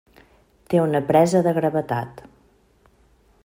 Té una presa de gravetat.